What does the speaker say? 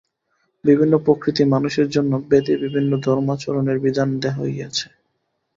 বিভিন্ন-প্রকৃতি মানুষের জন্য বেদে বিভিন্ন ধর্মাচরণের বিধান দেওয়া হইয়াছে।